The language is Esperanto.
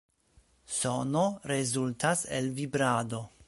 Sono rezultas el vibrado.